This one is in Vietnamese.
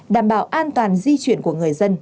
đảm bảo an toàn di chuyển của người dân